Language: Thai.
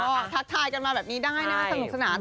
ก็ทักทายกันมาแบบนี้ได้นะสนุกสนาน